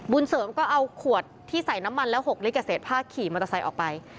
เสริมก็เอาขวดที่ใส่น้ำมันแล้ว๖ลิตรกับเศษผ้าขี่มอเตอร์ไซค์ออกไป